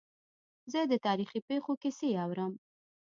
زه د تاریخي پېښو کیسې اورم.